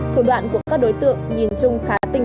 thủ đoạn của các đối tượng nhìn chung khá tinh